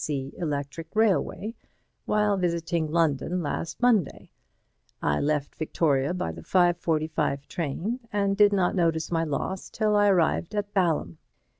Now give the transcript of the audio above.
C. Electric Railway while visiting London last Monday. I left Victoria by the 5:45 train, and did not notice my loss till I arrived at Balham.